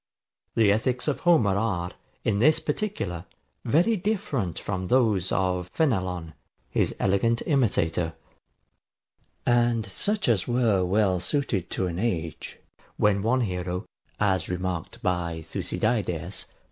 The ethics of Homer are, in this particular, very different from those of Fenelon, his elegant imitator; and such as were well suited to an age, when one hero, as remarked by Thucydides [Lib.